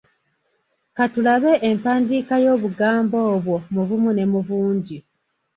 Ka tulabe empandiika y’obugambo obwo mu bumu ne mu bungi.